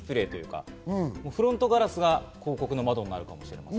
自動運転になったら、フロントガラスが広告の窓になるかもしれません。